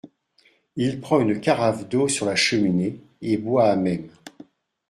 Il prend une carafe d’eau sur la cheminée, et boit à même.